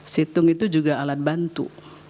situng itu juga alat bantu